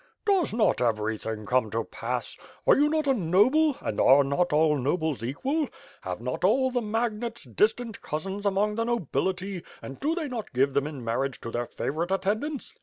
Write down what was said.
"Does not everything come to pass? Are you not a noble, and are not all nobles equal? Have not all the magnates distant cousins among the nobility, and do they not give them in marriage to their favorite attendants?